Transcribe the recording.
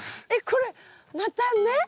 えっこれ「またね」？